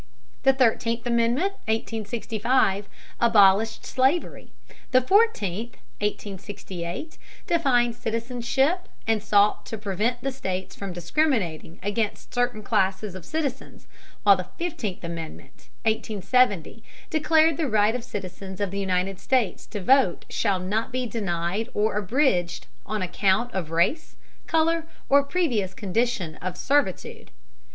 The Thirteenth Amendment (1865) abolished slavery, the Fourteenth (1868) defined citizenship and sought to prevent the states from discriminating against certain classes of citizens, while the Fifteenth Amendment (1870) declared that the right of citizens of the United States to vote shall not be denied or abridged on account of race, color, or previous condition of servitude.